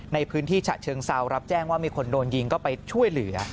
ในพื้นที่ฉะเชิงเซารับแจ้งว่ามีคนโดนยิงก็ไปช่วยเหลือ